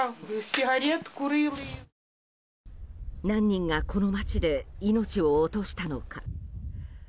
何人がこの街で命を落としたのか。